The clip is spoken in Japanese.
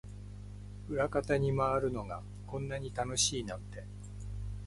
裏方に回るのがこんなに楽しいなんて